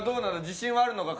自信はあるのか？